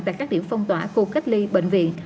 tại các điểm phong tỏa khu cách ly bệnh viện